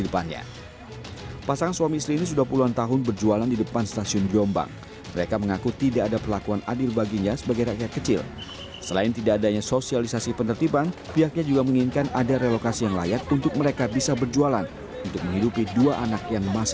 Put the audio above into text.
pasangan suami istri pemilik warung menolak direlokasi hingga melawan dan juga menyiram petugas